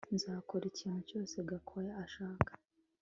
Nzakora ikintu cyose Gakwaya ashaka